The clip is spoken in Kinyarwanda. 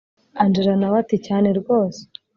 angella nawe ati cyane rwose